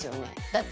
だって